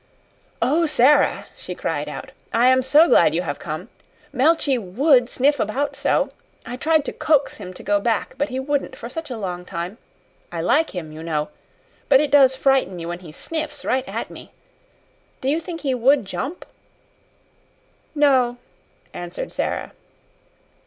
"Oh, Sara," she cried out, "I am glad you have come. Melchy WOULD sniff about so. I tried to coax him to go back, but he wouldn't for such a long time. I like him, you know; but it does frighten me when he sniffs right at me. Do you think he ever WOULD jump?" "No," answered Sara.